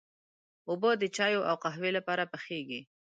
اوبه د چايو او قهوې لپاره پخېږي.